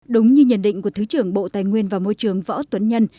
đúng như nhận định của thứ trưởng bộ tài nguyên và môi trường võ tuấn nhân